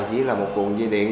chỉ là một cuộn dây điện